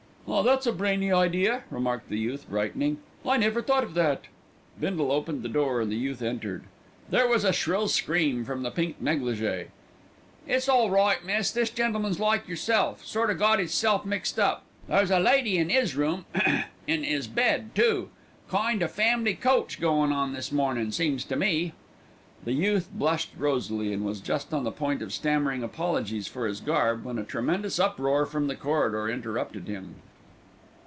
"Ah, that's a brainy idea," remarked the youth, brightening. "I never thought of that." Bindle opened the door and the youth entered. There was a shrill scream from the pink négligé. "It's all right, miss. This gentleman's like yerself, sort o' got hisself mixed up. There's a lady in 'is room ahem! in 'is bed too. Kind o' family coach goin' on this mornin', seems to me." The youth blushed rosily, and was just on the point of stammering apologies for his garb, when a tremendous uproar from the corridor interrupted him.